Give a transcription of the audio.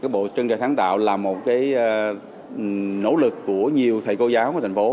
bộ trân trạng tháng tạo là một nỗ lực của nhiều thầy cô giáo ở tp hcm